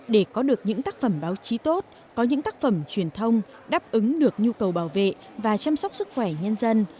để có được những tác phẩm báo chí tốt có những tác phẩm truyền thông đáp ứng được nhu cầu bảo vệ và chăm sóc sức khỏe nhân dân